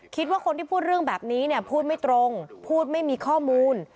คิดว่าคนที่พูดเรื่องแบบนี้เนี่ยพูดไม่ตรงพูดไม่มีข้อมูล